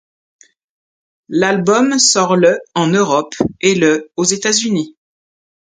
L'album sort le en Europe et le aux États-Unis.